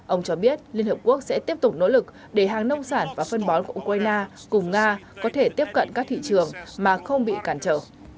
ông cho biết liên hợp quốc sẽ tiếp tục nỗ lực để hàng nông sản và phân bón của ukraine cùng nga có thể tiếp cận các thị trường mà không bị cản trở